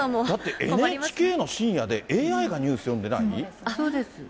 だってＮＨＫの深夜でＡＩがニュース読んでない？